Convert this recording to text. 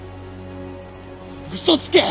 嘘つけ！